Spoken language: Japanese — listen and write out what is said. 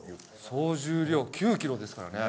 総重量９キロですからね。